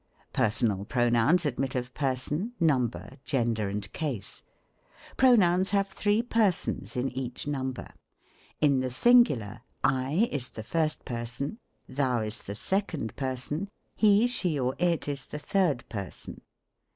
Personal Pronouns admit of person, number, gender, and case. Pronouns have three persons in each number. In the Singular; I, is the first person. Thou, is the second person. He, she, or it, is the third person.